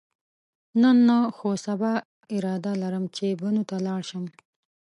نن نه، خو سبا اراده لرم چې بنو ته لاړ شم.